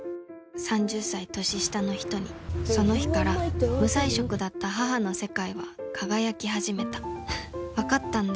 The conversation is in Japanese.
３０歳年下の人にその日から無彩色だった母の世界は輝き始めた分かったんだ。